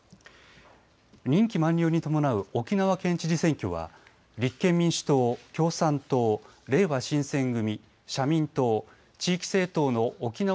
任期満了に伴う沖縄県知事選挙は立憲民主党共産党、れいわ新選組、社民党地域政党の沖縄